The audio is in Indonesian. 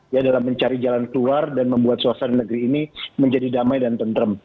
ya dalam mencari jalan keluar dan membuat suasana negeri ini menjadi damai dan tentrem